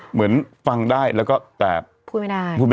เหมือนฟังได้แล้วก็แต่พูดไม่ได้